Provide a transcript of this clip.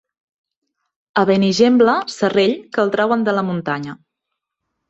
A Benigembla, serrell, que el trauen de la muntanya.